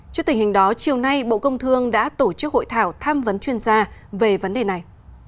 trước tình hình đó chiều nay bộ công thương đã tổ chức hội thảo tham vấn chuyên gia về vấn đề này